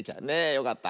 よかった。